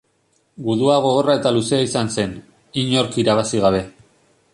Gudua gogorra eta luzea izan zen, inork irabazi gabe.